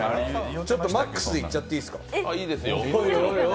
ちょっとマックスでいっちゃっていいですか。